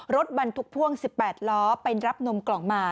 รถบรรทุกพ่วง๑๘ล้อไปรับนมกล่องมา